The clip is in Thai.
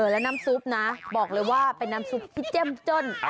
แล้วน้ำซุปนะบอกเลยว่าเป็นน้ำซุปที่เจ้มจ้น